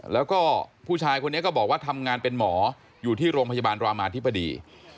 แล้วก็ผู้ชายคนนี้ก็บอกว่าทำงานเป็นหมออยู่ที่โรงพยาบาลรามาธิบดี